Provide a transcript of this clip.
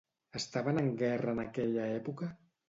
Estaven en guerra en aquella època?